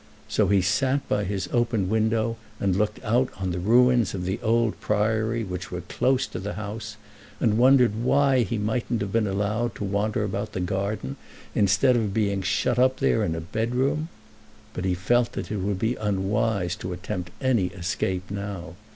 So he sat by his open window, and looked out on the ruins of the old Priory, which were close to the house, and wondered why he mightn't have been allowed to wander about the garden instead of being shut up there in a bedroom. But he felt that it would be unwise to attempt any escape now.